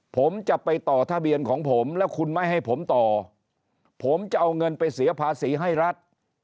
ผมจะไปต่อทะเบียนของผมแล้วคุณไม่ให้ผมต่อผมจะเอาเงินไปเสียภาษีให้รัฐ